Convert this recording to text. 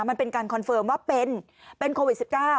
มันเป็นการคอนเฟิร์มว่าเป็นโควิด๑๙